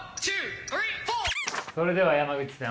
それでは山口さん